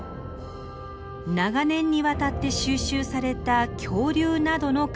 長年にわたって収集された恐竜などの化石です。